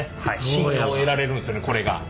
信用を得られるんですよねこれが。